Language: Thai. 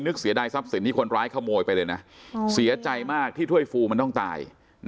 เสียดายทรัพย์สินที่คนร้ายขโมยไปเลยนะเสียใจมากที่ถ้วยฟูมันต้องตาย